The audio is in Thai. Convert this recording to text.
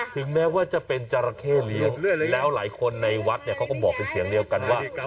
ถึงแม้ว่าจะเป็นจราเข้เลี้ยงแล้วหลายคนในวัดเนี่ยเขาก็บอกเป็นเสียงเดียวกันว่า